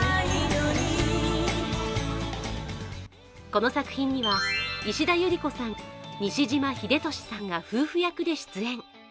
この作品には石田ゆり子さん西島秀俊さんが夫婦役で出演。